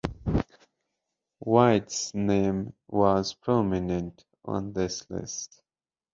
White's name was prominent on this list.